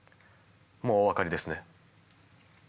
もうお分かりですね？